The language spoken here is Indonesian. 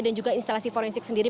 dan juga instalasi forensik sendiri